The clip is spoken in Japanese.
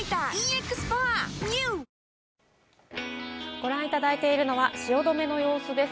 ご覧いただいているのは汐留の様子です。